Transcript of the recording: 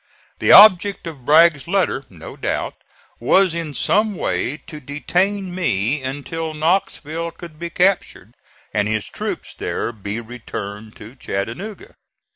The object of Bragg's letter, no doubt, was in some way to detain me until Knoxville could be captured, and his troops there be returned to Chattanooga.